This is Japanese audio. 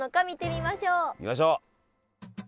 見ましょう！